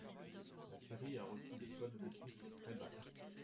La série a reçu des cotes d'écoute très basses.